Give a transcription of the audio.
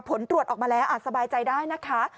ผลตรวจออกมาแล้วอาจสบายใจได้นะคะ